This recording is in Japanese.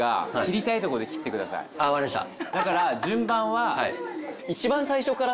分かりました。